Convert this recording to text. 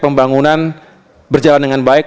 pembangunan berjalan dengan baik